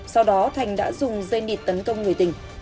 sau đó thành đã dùng dây nịt tấn công người tỉnh